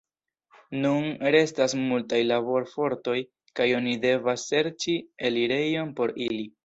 Nun restas multaj laborfortoj kaj oni devas serĉi elirejon por ili.